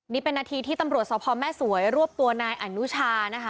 นี้เป็นนาทีที่ตำรวจสาวพอร์แม่สวยร่วบตัวนายอันนุชา